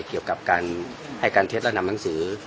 เกี่ยวกับการให้การเท็จและนำหนังสือ